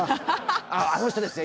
あの人ですよ。